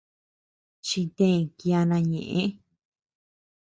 Chitee kiana ñeʼë.